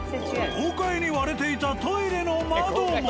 豪快に割れていたトイレの窓も。